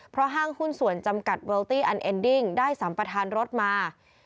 เพราะห้างหุ้นส่วนจำกัดเวลตี้อันเอ็นดิ้งได้สัมประธานรถมา